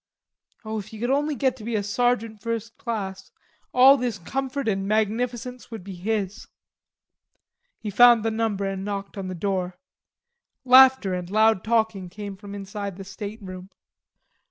Oh, if he could only get to be a sergeant first class, all this comfort and magnificence would be his. He found the number and knocked on the door. Laughter and loud talking came from inside the stateroom.